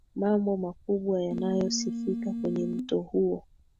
mambo makubwa yanayo sifika kwenye mto huu